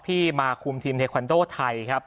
ที่มาคุมทีมเทควันโดไทยครับ